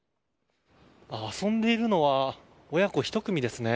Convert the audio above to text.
遊んでいるのは親子１組ですね。